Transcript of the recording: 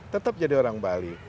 tetap jadi orang bali